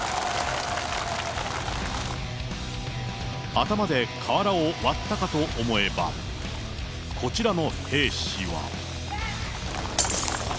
頭で瓦を割ったかと思えば、こちらの兵士は。